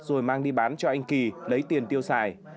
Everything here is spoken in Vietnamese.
rồi mang đi bán cho anh kỳ lấy tiền tiêu xài